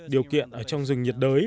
điều kiện ở trong rừng nhiệt đới